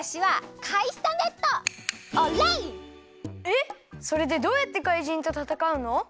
えっそれでどうやってかいじんとたたかうの？